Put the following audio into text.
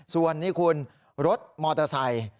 ส่วนนี่คุณรถมอเตอร์ไซค์